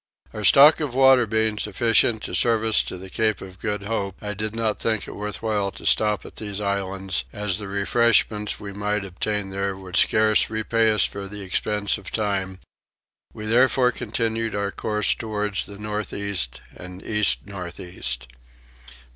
Our stock of water being sufficient to serve us to the Cape of Good Hope I did not think it worth while to stop at these islands as the refreshment we might obtain there would scarce repay us for the expense of time: we therefore continued our course towards the north east and east north east.